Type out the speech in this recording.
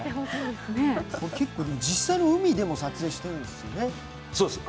実際の海でも撮影してるんですよね。